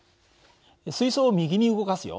水そうを右に動かすよ。